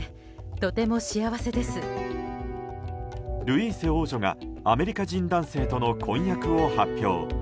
ルイーセ王女がアメリカ人男性との婚約を発表。